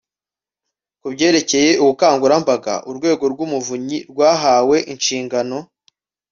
ku byerekeye ubukangurambaga, urwego rw’umuvunyi rwahawe inshingano